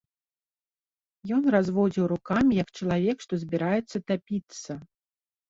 Ён разводзіў рукамі, як чалавек, што збіраецца тапіцца.